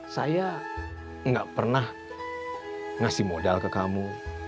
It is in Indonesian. saya nggak pernah ngasih modal ke kamu